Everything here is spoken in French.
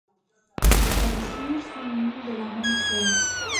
Elle tire son nom de la même fleur.